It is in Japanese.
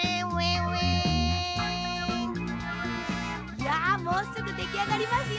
いやもうすぐできあがりますよ